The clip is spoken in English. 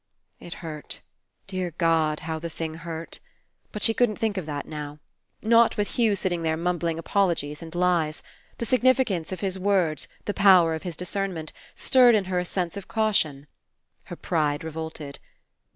It hurt. Dear God! How the thing hurt! But she couldn't think of that now. Not with Hugh sitting there mumbling apologies and lies. The significance of his words, the power of his discernment, stirred in her a sense of caution. Her pride revolted.